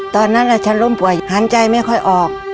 ตอนนั้นฉันล้มป่วยหันใจไม่ค่อยออก